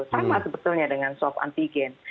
seperti itu sama sebetulnya dengan swab antigen